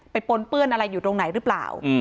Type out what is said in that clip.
ปนเปื้อนอะไรอยู่ตรงไหนหรือเปล่า